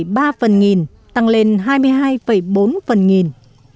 lô lô tám ba phần nghìn tăng lên hai mươi hai bốn phần nghìn